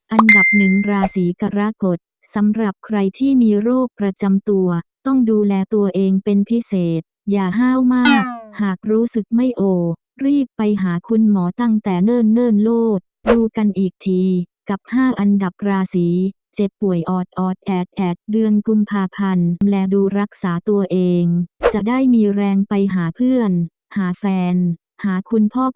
อันดับหนึ่งราศีกรกฎสำหรับใครที่มีโรคประจำตัวต้องดูแลตัวเองเป็นพิเศษอย่าห้าวมากหากรู้สึกไม่โอรีบไปหาคุณหมอตั้งแต่เนิ่นเนิ่นโลศดูกันอีกทีกับ๕อันดับราศีเจ็บป่วยออดออดแอดแอดเดือนกุมภาพันธ์และดูรักษาตัวเองจะได้มีแรงไปหาเพื่อนหาแฟนหาคุณพ่อ